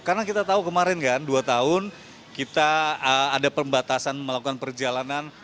karena kita tahu kemarin kan dua tahun kita ada pembatasan melakukan perjalanan